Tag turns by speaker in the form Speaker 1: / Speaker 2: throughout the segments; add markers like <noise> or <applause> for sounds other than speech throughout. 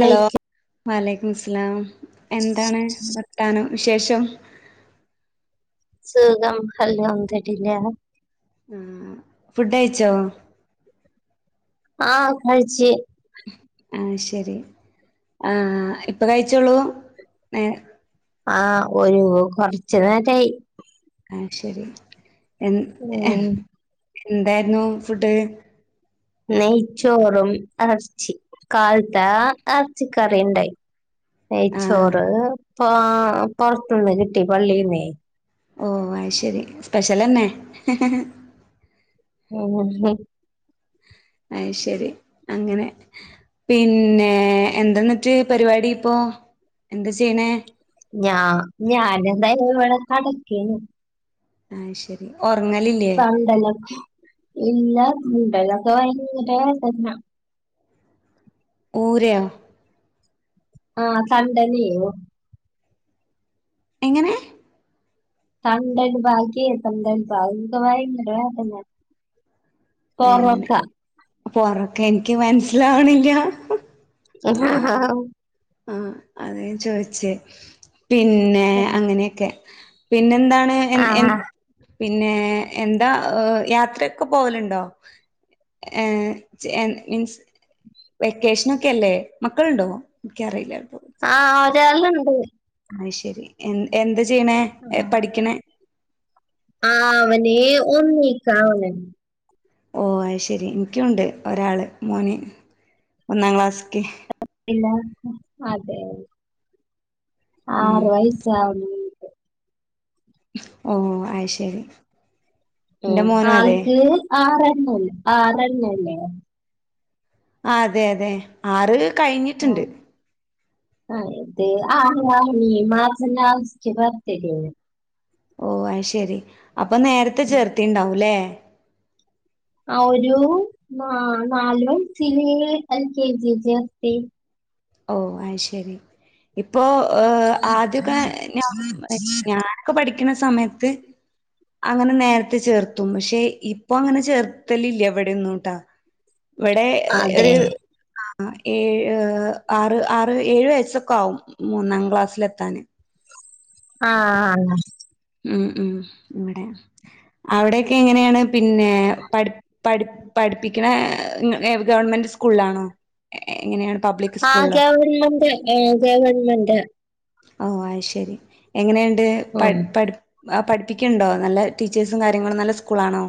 Speaker 1: Hello വലയ്ക്കും മുസ്സ്ലാം എന്താണ് വർത്താനം വിശേഷം
Speaker 2: സുഖം അൽഹംദുലില്ലാഹ്
Speaker 1: ഉം ഫുഡയ്ച്ചോ
Speaker 2: ആഹ് കഴിച്
Speaker 1: ആഹ് ശരി ആഹ് ഇപ്പ കഴിച്ചോളൂ
Speaker 2: ആഹ് ഒരു കൊറച്ച നേരായി
Speaker 1: ആഹ് ശരി എ
Speaker 2: ഉം
Speaker 1: എന്തായിരുന്നു ഫുഡ്
Speaker 2: നെയ്ച്ചോറും അരച്ചി കാലത്ത അരച്ചി കറിണ്ടായി
Speaker 1: ആഹ്
Speaker 2: നെയച്ചോറ് ആ പുറത്തന്ന് കിട്ടി പള്ളിന്നേ
Speaker 1: ഓ അയ്ശരി സ്പെഷ്യലന്നെ
Speaker 2: <unintelligible>
Speaker 1: അയ്ശരി അങ്ങനെ പിന്നെ എന്താെന്നിട്ട് പരിപാടി ഇപ്പോ എന്താ ചെയ്യണേ
Speaker 2: ഞാ ഞാന എന്തായാലും ഇവിടെ കടക്കന്ന്
Speaker 1: ആഹ് ശരി ഉറങ്ങലി
Speaker 2: പണ്ടലൊക്കെ ഇല്ല പണ്ടലൊക്കെ ഭയങ്കരന്ന
Speaker 1: ഊരയ
Speaker 2: ആഹ് സണ്ടനീ
Speaker 1: എങ്ങനെ
Speaker 2: തണ്ടല ഭാാക്കിത്തണ്ടൽ ബാക്കിയൊക്കെ ഭയങ്കര വേദന
Speaker 1: വേദന
Speaker 2: പൊറൊക്ക
Speaker 1: പ്പൊറൊക്കെ എനിക്ക് മനസ്സിലാവണല്ല്യാ
Speaker 2: ആഹ് ആഹ്
Speaker 1: ആഹ് അതാ ഞാൻ ചോയിച്ചേ പിന്നെ അങ്ങനെക്കെ പിന്നെന്താണ് എൻ എൻ
Speaker 2: ആഹ്
Speaker 1: പിന്നെ എന്താ യാത്രൊക്കെ പോവലുണ്ടോ ഏഹ് എൻ മീൻസ് വെക്കേഷനൊക്കെല്ലേ മക്കളുണ്ടോ ഇക്കിറിയില്ല പ്പം
Speaker 2: ആഹ് ഒരാള് ണ്ട്
Speaker 1: അയ്ശരി എ എന്ത ചെയ്യണെ പഠിക്കണേ
Speaker 2: ആഹ് അവന് ഒന്നീ ക്കാവന്
Speaker 1: ഓഹ് അയ്ശരി ഇൻക്കിയുണ്ട് ഒരാൾ മോന് ഒന്നാം ക്ലാസ്സ്ക്ക്
Speaker 2: ഇല്ലാ അതെ
Speaker 1: ഉം
Speaker 2: ആറ് വയസ്സ് ആവുന്ന്.
Speaker 1: ഓഹ് അഹ് ശരി എന്റെ
Speaker 2: ആഹ്
Speaker 1: മോനും അതെ
Speaker 2: ആൾക്ക് ആറന്നു ല്ലേ ആറന്നു ല്ലേ
Speaker 1: ആഹ് അതെ അതെ ആറ് കഴിഞ്ഞിട്ട് ണ്ട്.
Speaker 2: ആഹ് ആഹ് ഇത് ആറ് മാർച്ച് ലാസ്റ്റ് ബർത്ഡേയ്
Speaker 1: ഓഹ് ആയ്ശരി അപ്പം നേരത്തെ ചേർത്തിണ്ടാവു ല്ലേ.
Speaker 2: ആഹ് ഒരു നാല് വയസ്സില് എൽ കെ ജി ചേർത്തി.
Speaker 1: ഓഹ് അയ്ശരി ഇപ്പോ ആദ്യക്കെ ഞ ഞാന് ഞ ക്ക പഠിക്ക്ണ സമയത്ത്. അങ്ങനെ നേരത്തെ ചേർത്തും. പക്ഷെ ഇപ്പൊ അങ്ങനെ ചേർത്തലില്ല്യ ഇവിടെന്നും ട്ടാ ഇവിടെ
Speaker 2: അതെ
Speaker 1: ഒരു ആഹ് ഏഴ് ആറ് ആറ് ഏഴ് വയസ്സോക്കെ ആവും മൂന്നാം ക്ലാസ്സിലെത്താന്.
Speaker 2: ആഹ് ആഹ് ന്ന്
Speaker 1: മം മം ഇവിടെ അവിടെയക്കെ എങ്ങനെയാണ്. പിന്നെ പഠി പഠി പഠിപ്പിക്കണെ ഗവൺമെന്റ് സ്കൂളാണോ എങ്ങനെയാണ് പബ്ലിക്.
Speaker 2: ആഹ് ഗവൺമെന്റ് ആഹ് ഗവൺമെന്റ്
Speaker 1: ഓഹ് അയ്ശരി എങ്ങനെണ്ട്
Speaker 2: ആഹ്
Speaker 1: പഠി പഠി പഠിപ്പിക്കിൻ ണ്ടോ നല്ല ടീച്ചേഴ്സും കാര്യങ്ങളും നല്ല സ്കൂളാണോ?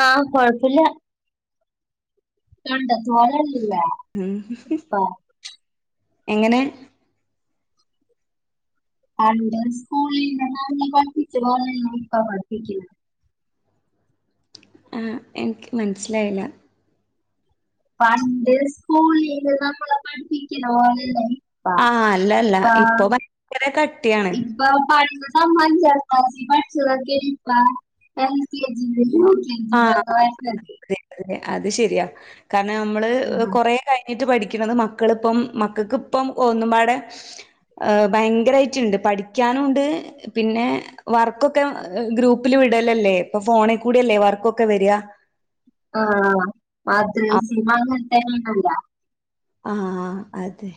Speaker 2: ആഹ് കൊഴപ്പല്ല്യാ ഉണ്ട
Speaker 1: ഉം
Speaker 2: <unintelligible>
Speaker 1: എങ്ങനെ
Speaker 2: പണ്ട് സ്കൂളിൽ ഞാന് പഠിപിച്ച പോലല്ല ഇപ്പ പഠിപ്പിക്ണ്.
Speaker 1: ആഹ് എനിക്ക് മനസ്സിലായില.
Speaker 2: പണ്ട് സ്കൂളില് നമ്മളെ പഠിപ്പിക്ക്ണ പോലെല്ല. ഇ
Speaker 1: ആഹ് അല്ലല്ല ഇപ്പൊ ഭയങ്കര കട്ടിയണ്.
Speaker 2: ഇപ്പൊ അഞ്ചാം ക്ലാസ് പഠിച്ചതൊക്കെയാണ് ഇപ്പോൾ എൽകെജിയില്.
Speaker 1: ആഹ് അതെ അത് ശരിയാ. കാരണം നമ്മള്
Speaker 2: വരുന്നത്
Speaker 1: കൊറേ കഴി പഠിക്കിന്നത് മക്കള്പ്പം മക്കക്ക് പ്പം ഒന്നുംപാടെ ഭയങ്കരായിട്ടുണ്ട്. പഠിക്കാനുണ്ട്. പിന്നെ വർക്കൊക്കെ ഗ്രൂപ്പിൽ വിടലല്ലേ ഇപ്പൊ ഫോണ് കൂടല്ലേ വർക്ക്. വർക്കൊക്കെ വര ആ
Speaker 2: ആഹ്
Speaker 1: അപ്
Speaker 2: മദ്രസിം അങ്ങനെതന്നെ ആണല്ലോ?
Speaker 1: ആഹ് അതെ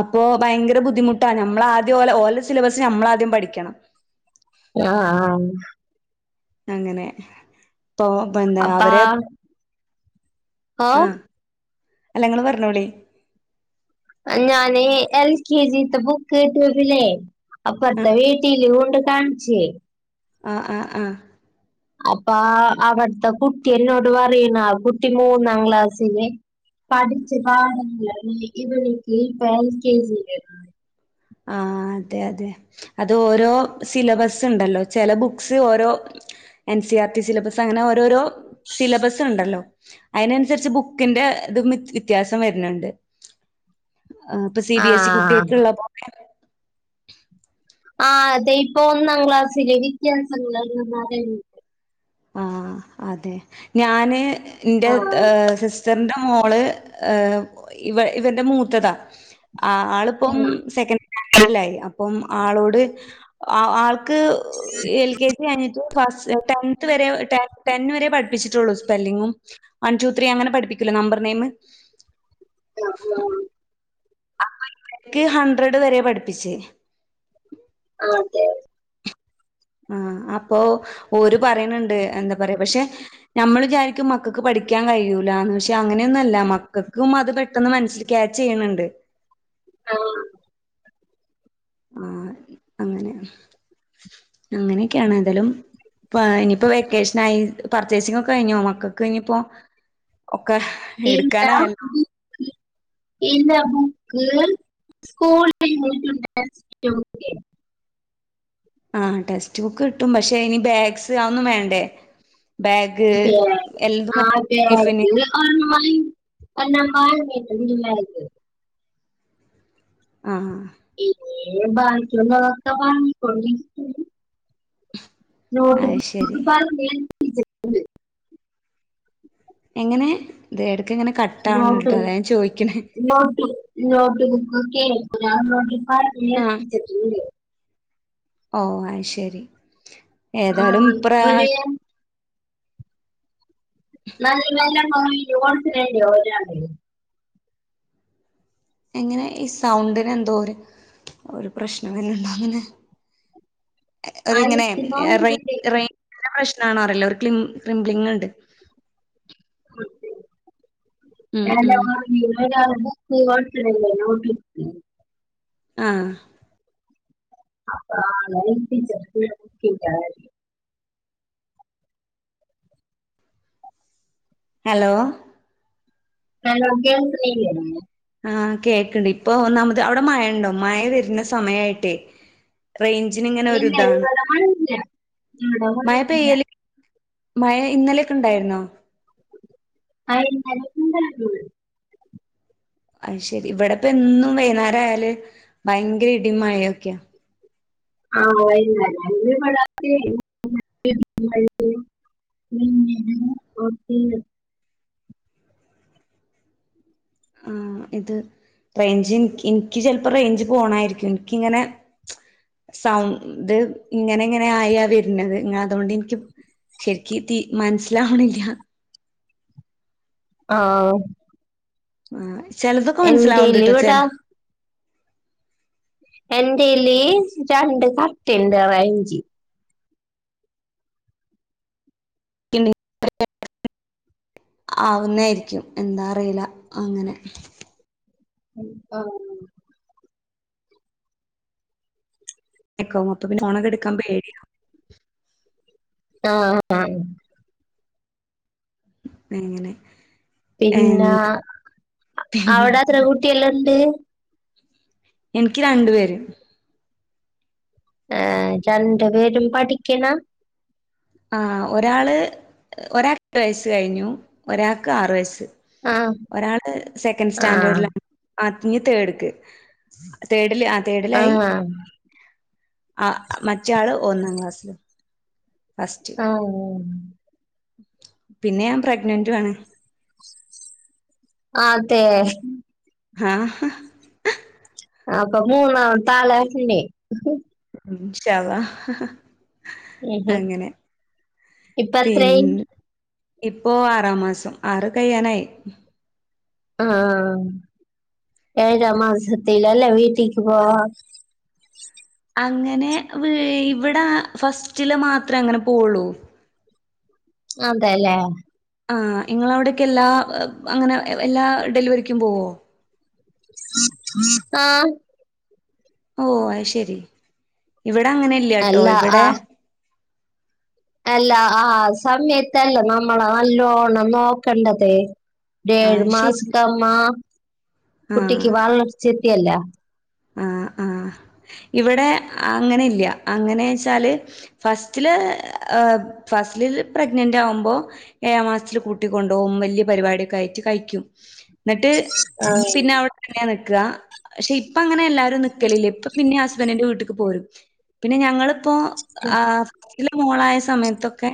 Speaker 1: അപ്പൊ ഭയങ്കര ബുദ്ധിമുട്ടാ ഞമ്മൾ ആദ്യം ഓലെ ഓലെ സിലബസ് നമ്മള് ആദ്യം പഠിക്കണം.
Speaker 2: ആഹ് ആഹ്
Speaker 1: അങ്ങനെ പ്പോ എന്താ
Speaker 2: അപ്പാ
Speaker 1: അവരെ
Speaker 2: ഓ
Speaker 1: ആഹ് അല്ല ഇങ്ങള് പറഞ്ഞോളി.
Speaker 2: ഞാന് എൽ കെ ജിത്തെ ബുക്ക് കിട്ടിയപ്പ്ളെ.
Speaker 1: ആഹ്
Speaker 2: അപ്പർത്തെ വീട്ടീല് കോണ്ട് കാണിച്ച്.
Speaker 1: ആഹ് ആഹ് ആഹ്
Speaker 2: അപ്പ അവിടത്തെ കുട്ടി എന്നോട് പറയണ്. ആ കുട്ടി മൂന്നാം ക്ലാസില്. പഠിച്ചു പാട ഇവ നിക്ക് ഇപ്പം എൽ കെ ജിയില്
Speaker 1: ആഹ് അതെ അതെ അത് ഓരോ സിലബസ് ഉണ്ടല്ലോ ചെില ബുക്സ് ഓരോ N C R T syllabus അങ്ങനെ ഓരോരോ സിലബസ് ഉണ്ടല്ലോ? അതിനനുസരിച്ച് ബുക്കിന്റെ ഇതും വിത്യാസം വരുന്നുണ്ട് ആഹ് ഇപ്പൊ സി
Speaker 2: ആ
Speaker 1: ബി എസ് ഇ കുട്ടിയക്കുള്ള
Speaker 2: ആഹ് അതെ ഇപ്പൊ ഒന്നാം ക്ലാസ്സില് വിത്യാസങ്ങളല്ല <unintelligible>
Speaker 1: ആഹ് അതെ ഞാന് എൻ്റെ
Speaker 2: ആ
Speaker 1: സി സ്റ്ററിന്റെ മോള് ഇവ ഇവരുടെ മൂത്തതാ ആഹ് ആളിപ്പം
Speaker 2: എന്നാ
Speaker 1: സെക്കൻഡ് സ്റ്റാൻഡേർഡിലായി അപ്പം ആളോട് ആൾ ക്ക് എൽ കെ ജി കഴിഞ്ഞിട്ട് <unintelligible> ടെൻ വരെയെ പഠപ്പിച്ചിട്ടുള്ളൂ സ്പെല്ലിങ്ങും വൺ ടു ത്രീ അങ്ങനെ പഠിപ്പിക്കൂല്ലേ നമ്പർ നെയിമ്
Speaker 2: ആഹ് ആഹ്
Speaker 1: ക്ക് ഹൺഡ്രഡ് വരെ പഠിപ്പിച്ച്
Speaker 2: ആഹ് അതെ
Speaker 1: ആഹ് അപ്പൊ ഓര് പറയണണ്ട് എന്താ പറയാ പക്ഷെ നമ്മള് വിചാരിക്കും മക്കൾക്ക് പഠിക്കാൻ കഴിയൂലാന്ന് പക്ഷെ അങ്ങനെയൊന്നുമല്ല മക്കൾക്കും അത് പെ പെട്ടന്ന് മനസ്സിൽ ക്യാച്ച് ചെയ്യണുണ്ട്
Speaker 2: ആഹ്
Speaker 1: ആഹ് അങ്ങനെ അങ്ങനെയൊക്കെയാണ് ഏതായാലും ഇപ്പോ ഇനിയിപ്പോ വെക്കേഷനായി പർച്ചേസിംഗ് ഒക്കെ കഴിഞ്ഞോ മക്കക്ക് ഇനി ഇപ്പോ ഒക്കെ
Speaker 2: ഇല്ല
Speaker 1: എടുക്കാനായല്ലോ
Speaker 2: ബുക്ക് ഇല്ല ബുക്ക് സ്കൂള് <unintelligible>
Speaker 1: ആഹ് ടെക്സ്റ്റ് ബുക്ക് കിട്ടും പക്ഷെ ഇനി ബാഗ്സ് അതൊന്നും വേണ്ടേ ബാഗ്
Speaker 2: അതെ
Speaker 1: എല്ലതും ടിഫിന്
Speaker 2: ആഹ് അതെ ആഹ് <unintelligible>
Speaker 1: ആഹ്
Speaker 2: <unintelligible>
Speaker 1: അത്
Speaker 2: നോട്ട്ബുക്ക്
Speaker 1: ശരി
Speaker 2: <unintelligible> പറഞ്ഞു
Speaker 1: എങ്ങനെ ഇത് എടക്ക് ഇങ്ങനെ കട്ട് ആവണൊണ്ട്
Speaker 2: നോട്ട്
Speaker 1: കേട്ടോ അതാ ഞാൻ ചോദിക്കണെ
Speaker 2: നോട്ട് നോട്ട് ബുക്കൊക്കെയെ ഞാൻ നോക്കിയപ്പോ <unintelligible>
Speaker 1: ഓഹ് അത് ശരി
Speaker 2: ആ
Speaker 1: ഏതായാലും ഈ പ്രാ
Speaker 2: ഒരു <unintelligible>
Speaker 1: എങ്ങനെ ഈ സൗണ്ടിന് എന്തോ ഒര് ഒരു പ്രശ്നം വരുന്നുണ്ടോ അങ്ങനെ അത് ഇങ്ങനെ
Speaker 2: ആയിരത്തിപ്പോ
Speaker 1: റേ
Speaker 2: വില
Speaker 1: റേഞ്ചിൻ്റെ പ്രശ്നമാണ് അറിയില്ല ഒരു ക്ലം ക്രിംബ്ലി ഉണ്ട് ഉം ഉം
Speaker 2: എന്താണ് എന്നും രാവിലെ ബുക്ക് കൊടുത്ത് വിടൂലെ നോട്ട്ബുക്ക്
Speaker 1: ആഹ്
Speaker 2: അപ്പം <unintelligible>
Speaker 1: ഹലോ
Speaker 2: ഹലോ കേൾക്കിണില്ലേ
Speaker 1: ആഹ് കേൾക്കണ്ട് ഇപ്പൊ ഒന്നാമത് അവിടെ മഴയുണ്ടോ മഴ വരുന്ന സമയായിട്ടേ റേഞ്ചിന് ഇങ്ങനെ ഒരു
Speaker 2: ഇല്ല
Speaker 1: ഇതാണ്
Speaker 2: ഇവിടെ മഴയില്ല ഇവിടെ
Speaker 1: മഴ
Speaker 2: മഴയില്ല
Speaker 1: പെയ്യല് മഴ ഇന്നലെയൊക്ക ഉണ്ടായിരുന്നോ
Speaker 2: ആഹ് ഇന്നലെയൊക്കെ ഇണ്ടായിരുന്നു
Speaker 1: അത് ശെരി ഇവിടിപ്പൊ എന്നും വൈകുന്നേരായല് ഭയങ്കര ഇടിയും മഴയൊക്കെയ
Speaker 2: ആഹ് വൈകുന്നേരം <unintelligible> ഉം പിന്നെ <unintelligible>
Speaker 1: ആഹ് ഇത്, റെയ്ഞ്ച്ൻ ഇൻക്ക് ചെൽപ്പൊ റെയ്ഞ്ച് പോണായിര്ക്കും ഇൻ ങ്ങനെ സൗണ്ട് ഇങ്ങനെ ഇങ്ങനെ ആയാ വര്നത്. ഇഞ്ഞതോണ്ട്ൻക്ക് ഇക്ക് തീ മനസ്സിലാവാണില്ല.
Speaker 2: ആഹ്
Speaker 1: ആഹ്. ചെലതൊക്കെ
Speaker 2: എന്റേല്
Speaker 1: മനസ്സിലാവണ്ട്ട്ടൊ, ചെൽ
Speaker 2: ഇവിടെ എന്റേല് രണ്ട് കട്ടണ്ട് <unintelligible>
Speaker 1: ആവുന്നായിരിയ്ക്കും. എന്താ അറീല, അങ്ങനെ.
Speaker 2: ഉം. ആഹ്
Speaker 1: ഫോണോ, അപ്പപിന്നെ ഫോണൊക്കെടുക്കാൻ പേടിയാ.
Speaker 2: ആഹ് ആഹ്
Speaker 1: എങ്ങനെ?
Speaker 2: പിന്നാ, അവടെത്ര കുട്ട്യള്ണ്ട്?
Speaker 1: ഇൻക്ക് രണ്ടു പേര്.
Speaker 2: ഏഹ് രണ്ട് പേരും പഠിക്ക്ണ?
Speaker 1: ആഹ് ഒരാള് ഒരാ <unintelligible> ട്ട് വയസ്സ് കഴിഞ്ഞു. ഒരാൾക്ക് ആറു വയസ്സ്.
Speaker 2: ആ
Speaker 1: ഒരാള് സെക്കൻഡ്
Speaker 2: ആ
Speaker 1: സ്റ്റാൻഡേർഡ്ലാ. ആഹ് ഞ് തേഡ്ക്ക്. തേഡ്ല് ആഹ്
Speaker 2: ആ
Speaker 1: തേഡിലായി. ആഹ് മറ്റേ ആള് ഒന്നാം ക്ലാസ്സില്.
Speaker 2: ആഹ്.
Speaker 1: പിന്നെ ഞാൻ പ്രെഗ്നന്റു ആണ്.
Speaker 2: അതേ?
Speaker 1: ആഹ്.
Speaker 2: അപ്പൊ മൂന്നാമത്താളാ <unintelligible>
Speaker 1: ഇൻഷാഅള്ളാ. അങ്ങനെ.
Speaker 2: ഇപ്പൊ എത്രയായി
Speaker 1: പിന്ന ഇപ്പോ ആറാം മാസം. ആറ് കയ്യാനായി.
Speaker 2: അ ആഹ്. ഏഴാം മാസത്തിലല്ലേ വീട്ടീക്ക് പോവാ?
Speaker 1: അങ്ങനെ വ് ഇവിടാ ഫസ്റ്റില് മാത്രേ അങ്ങനെ പോവുള്ളൂ.
Speaker 2: അതേല്ലേ.
Speaker 1: ആഹ് ഇങ്ങളവ്ടെക്കെ എല്ലാ അങ്ങനെ എല്ലാ ഡെലിവറിക്കും പോവോ?
Speaker 2: ആഹ്
Speaker 1: ഓഹ് അയ്ശെരി. ഇവിടങ്ങനില്ല്യാട്ടോ,
Speaker 2: അല്ല ആ
Speaker 1: ഇവടേ
Speaker 2: അല്ല, ആ സമയത്തല്ലെ നമ്മളെ നല്ലോണം നോക്കണ്ടത്. ഏഴ്
Speaker 1: ആഹ് ശരി
Speaker 2: മാസക്കാവ്മ്മാ കുട്ടിക്ക് വളർച്ചെത്തിയല്ല.
Speaker 1: ആഹ് ആഹ്. ഇവിടെ അങ്ങനെ ഇല്ല്യ. അങ്ങനേച്ചാല് ഫസ്റ്റ്ല് ഏ ഫസ്റ്റിൽ പ്രഗ്നന്റാവുമ്പൊ ഏയാം മാസത്തില് കൂട്ടിക്കൊണ്ടോവും, വല്യ പരിപാടിയൊക്കെ ആയിട്ട് കഴിക്കും. ഇന്ന്ട്ട് പിന്നവ്ടെത്തന്നാ നിക്കാ, പക്ഷെ ഇ ഇപ്പങ്ങനെ എല്ലാരും നിക്കലില്ല. ഇപ്പ പിന്നിം ഹസ്ബന്റിന്റെ വീട്ട്ക്ക് പോരും. പിന്നെ ഞങ്ങള്പ്പോ ആ ഫസ്റ്റ്ല് മോളായ സമയത്തൊക്കെ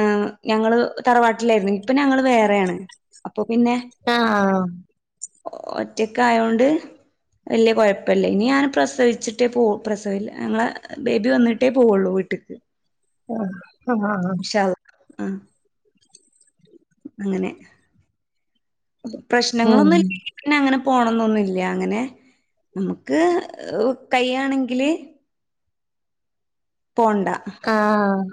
Speaker 1: ആഹ് ഞങ്ങള് തറവാട്ടിലേര്ന്ന്. ഇപ്പൊ ഞങ്ങള് വേറേണ്. അപ്പൊ പിന്നെ,
Speaker 2: ആ
Speaker 1: ഒറ്റക്കായോണ്ട് വല്ല്യ കൊഴപ്പല്ല. ഇനി ഞാൻ പ്രസവിച്ചിട്ടേ പോവു, പ്രസവില്ല ഞങ്ങളെ ബേബി വന്നീട്ടേ പോവൊള്ളു വീട്ട്ക്ക്.
Speaker 2: ആഹ് അ ആഹ്
Speaker 1: ഇൻഷാ അള്ളാ ആഹ് അങ്ങനെ
Speaker 2: ഉം
Speaker 1: പ്രശ്നങ്ങളൊന്നും ഇല്ലെങ്കി - പിന്നെ അങ്ങനെ പോണംന്നൊന്നുല്ല അങ്ങനെ നമുക്ക് കൈയ്യാണെങ്കില്- പോണ്ട
Speaker 2: ആഹ്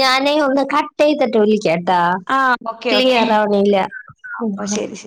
Speaker 2: ഞാനേ ഒന്ന് കട്ട് ചെയ്തിട്ട് വിളിക്കാട്ടോ?
Speaker 1: ആഹ് ഓക്കെ ഓക്കെ
Speaker 2: ക്ലിയർ ആവണില്ല.
Speaker 1: ഓഹ് ശരി ശരി